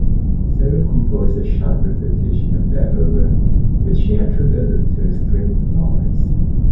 Cyril composed a short refutation of their error, which he attributed to extreme ignorance.